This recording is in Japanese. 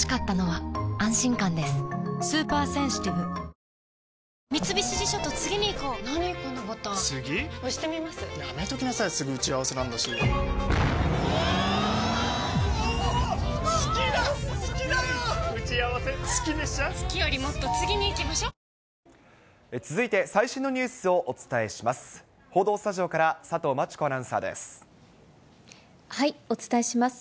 ペイトク続いて最新のニュースをお伝えします。